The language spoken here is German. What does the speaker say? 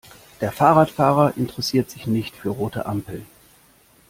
Der Fahrradfahrer interessiert sich nicht für rote Ampeln.